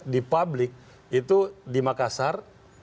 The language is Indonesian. di publik itu di makassar